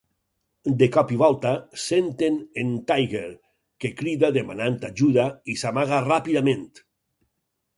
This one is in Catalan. De cop i volta, senten en Tigger que crida demanant ajuda i s'amaga ràpidament.